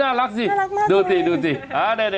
น่ารักสิดูสิดูสิ